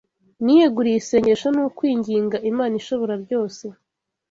Niyeguriye isengesho n’ukwinginga Imana Ishoborabyose